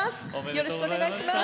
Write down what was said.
よろしくお願いします。